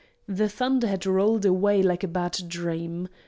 The thunder had rolled away like a bad dream.